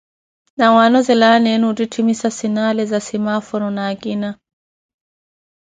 N ́wanozele aana enu ottitthimisa sinali za simaforo na kiina.